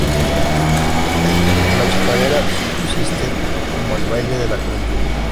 La chacarera subsiste como el baile de la juventud.